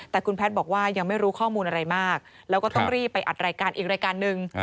แต่คุณแพทย์บอกว่ายังไม่รู้ข้อมูลอะไรมากแล้วก็ต้องรีบไปอัดรายการอีกรายการหนึ่ง